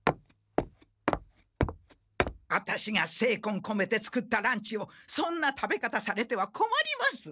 アタシがせいこんこめて作ったランチをそんな食べ方されてはこまります！